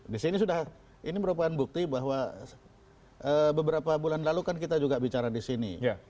di sini sudah ini merupakan bukti bahwa beberapa bulan lalu kan kita juga bicara di sini